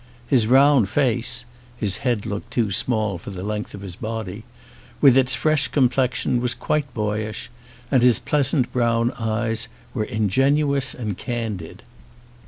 His round face (his head looked too small for the length of his body) with its fresh complexion was quite boyish, and his pleasant brown eyes were ingenuous and candid.